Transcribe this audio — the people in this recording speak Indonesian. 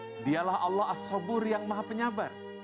ya dialah allah asobur yang maha penyabar